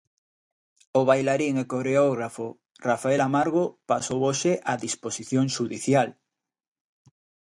O bailarín e coreógrafo Rafael Amargo pasou hoxe a disposición xudicial.